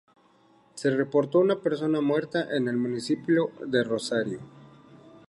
Se reportó una persona muerta en el municipio de Rosario.